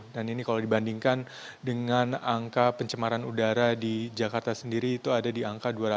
dan ini kalau dibandingkan dengan angka pencemaran udara di jakarta sendiri itu ada di angka dua ratus